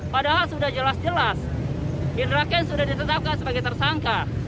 padahal sudah jelas jelas hindra kent sudah ditetapkan sebagai tersangka